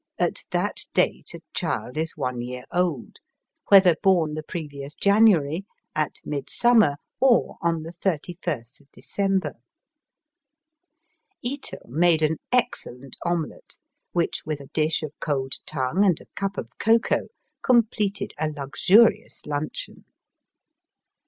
At that date a child is one year old, whether born the previous January, at Midsummer, or on the 31st of December. Ito made an excellent omelette, which, with a dish of cold tongue and a cup of cocoa, com pleted a luxurious luncheon.